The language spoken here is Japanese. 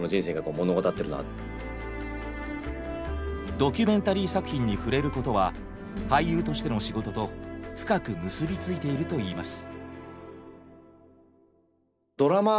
ドキュメンタリー作品に触れることは俳優としての仕事と深く結びついているといいます。